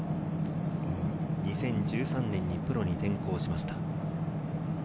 ２０１３年にプロに転向しました。